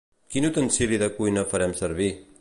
Quin utensili de cuina farem servir?